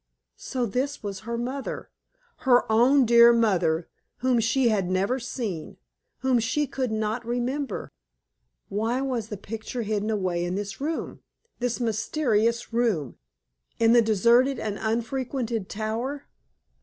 So this was her mother, her own dear mother, whom she had never seen, whom she could not remember. Why was the picture hidden away in this room this mysterious room in the deserted and unfrequented tower?